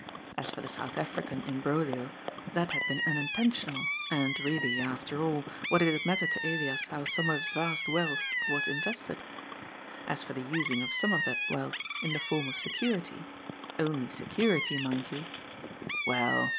As for the South African imbroglio, that had been unintentional, and really, after all, what did it matter to Elias how some of his vast wealth was invested ? As for the using of some of that wealth in the form of se curity — only security, mind you — well